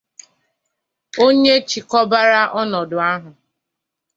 onye chịkọbàrà ọnọdụ ahụ